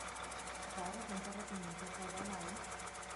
Su padre fue un terrateniente acaudalado.